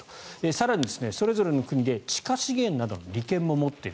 更に、それぞれの国で地下資源などの利権も持っている。